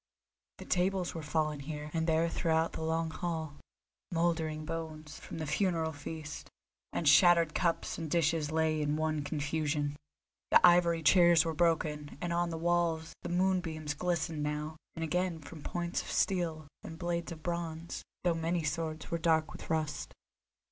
The tables were fallen here and there throughout the long hall; mouldering bones, from the funeral feast, and shattered cups and dishes lay in one confusion; the ivory chairs were broken, and on the walls the moonbeams glistened now and again from points of steel and blades of bronze, though many swords were dark with rust.